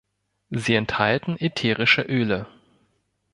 Sie enthalten ätherische Öle.